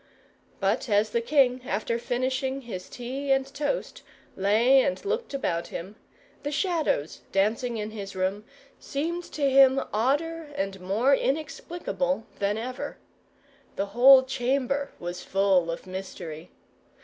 But as the king, after finishing his tea and toast, lay and looked about him, the Shadows dancing in his room seemed to him odder and more inexplicable than ever. The whole chamber was full of mystery.